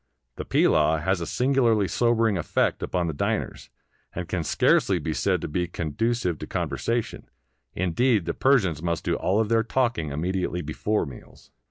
The pilaw has a singularly sobering effect upon the diners, and can scarcely be said to be conducive to conversation — indeed, the Persians must do all their talking immedi ately before meals.